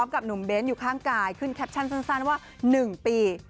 กับหนุ่มเบ้นอยู่ข้างกายขึ้นแคปชั่นสั้นว่า๑ปี